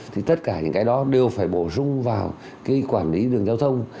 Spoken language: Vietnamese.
thì tất cả những cái đó đều phải bổ sung vào cái quản lý đường giao thông